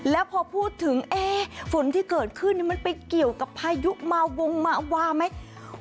แล้วพอพูดถึงฝนที่เกิดขึ้นมันไปเกี่ยวกับพายุมาวงมาวาไหม